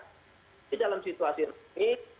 jadi dalam situasi resmi